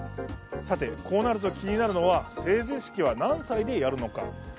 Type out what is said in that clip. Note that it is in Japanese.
さて、こうなると気になるのは成人式は何歳でやるのか？